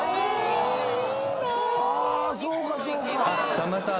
さんまさん